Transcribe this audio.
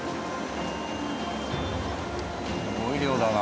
すごい量だな。